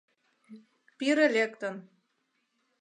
— Пире лектын!